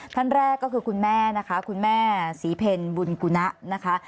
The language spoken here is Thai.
ท่านแรกก็คือคุณแม่นะคะคุณแม่ศรีเพลบุญกุณะนะคะ